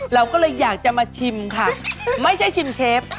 เราก็เลยอยากจะมาชิมค่ะไม่ใช่ชิมเชฟ